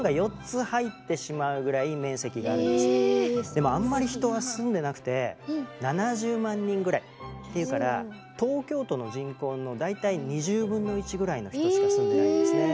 でもあんまり人は住んでなくて７０万人ぐらいっていうから東京都の人口の大体２０分の１ぐらいの人しか住んでないんですね。